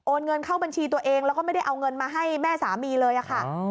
เงินเข้าบัญชีตัวเองแล้วก็ไม่ได้เอาเงินมาให้แม่สามีเลยอะค่ะ